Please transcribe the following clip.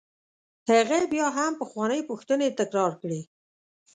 هغه بیا هم پخوانۍ پوښتنې تکرار کړې.